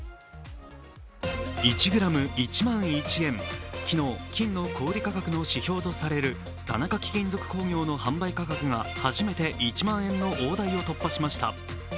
１ｇ＝１万１円、昨日、金の小売価格の指標とされる田中貴金属工業の販売価格が初めて１万円の大台を突破しました。